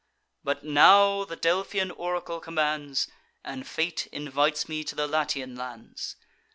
But now the Delphian oracle commands, And fate invites me to the Latian lands.